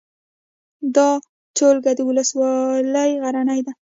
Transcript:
د تولک ولسوالۍ غرنۍ ده